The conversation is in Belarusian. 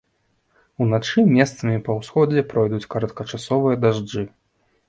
Уначы месцамі па ўсходзе пройдуць кароткачасовыя дажджы.